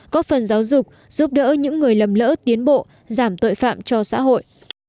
có phần giáo dục giúp đỡ những người lầm lỡ tiến bộ giảm tội phạm cho xã hội